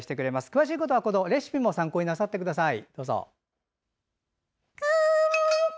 詳しいことはレシピも参考になさってください。